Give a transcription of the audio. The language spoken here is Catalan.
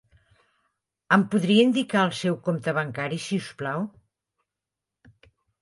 Em podria indicar el seu compte bancari, si us plau?